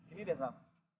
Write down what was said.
ini deh sal